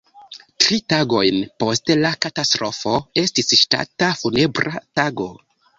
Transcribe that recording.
Tri tagojn post la katastrofo estis ŝtata funebra tago.